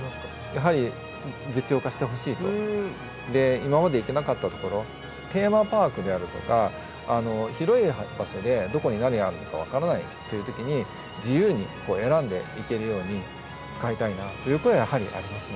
やはりで今まで行けなかったところテーマパークであるとか広い場所でどこに何があるのか分からないという時に自由に選んでいけるように使いたいなという声がやはりありますね。